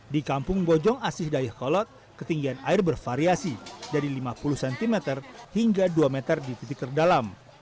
di kampung bojong asih dayakolot ketinggian air bervariasi dari lima puluh cm hingga dua meter di titik terdalam